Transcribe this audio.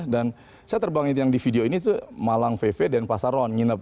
dan saya terbangin yang di video ini tuh malang vv dan pasaron